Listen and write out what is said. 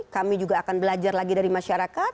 kami juga akan belajar lagi dari masyarakat